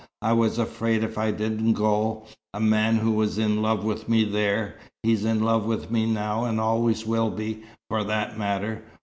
I was afraid if I didn't go, a man who was in love with me there he's in love with me now and always will be, for that matter!